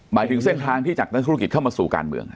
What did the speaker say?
หมายถึงเส้นทางที่จากนักธุรกิจเข้ามาสู่การเมือง